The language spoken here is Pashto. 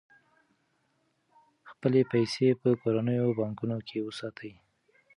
خپلې پيسې په کورنیو بانکونو کې وساتئ.